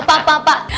pak pak pak